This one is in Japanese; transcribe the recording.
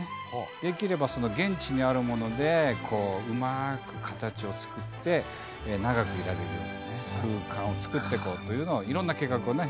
できれば現地にあるものでうまく形を作って長くいられるような空間を作っていこうというのをいろんな計画をね